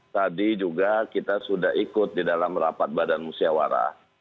tadi juga kita sudah ikut di dalam rapat badan musyawarah